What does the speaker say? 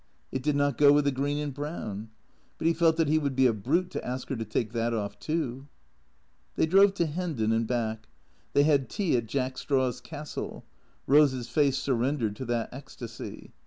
It did not go with the green and brown. But he felt that he would be a brute to ask her to take that off, too. They drove to Hendon and back. They had tea at "Jack Straw's Castle." (Rose's face surrendered to that ecstasy.)